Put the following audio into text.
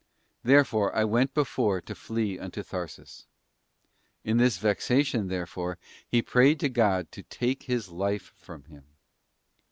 Therefore, I went before to flee unto Tharsis.t In his vexation, therefore, he prayed God to take his life from him.